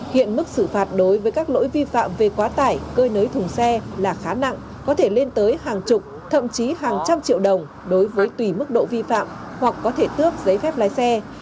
hiện mức xử phạt đối với các lỗi vi phạm về quá tải cơi nới thùng xe là khá nặng có thể lên tới hàng chục thậm chí hàng trăm triệu đồng đối với tùy mức độ vi phạm hoặc có thể tước giấy phép lái xe